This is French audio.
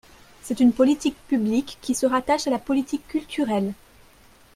C’est une politique publique, qui se rattache à la politique culturelle.